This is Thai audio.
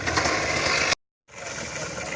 และที่สุดท้ายและที่สุดท้าย